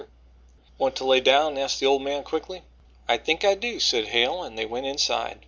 "Want to lay down?" asked the old man quickly. "I think I do," said Hale, and they went inside.